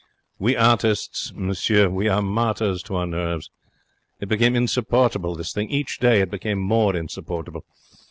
We artists, monsieur, we are martyrs to our nerves. It became insupportable, this thing. Each day it became more insupportable.